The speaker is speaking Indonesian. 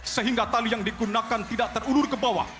sehingga tali yang digunakan tidak terulur ke bawah